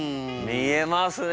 見えますか。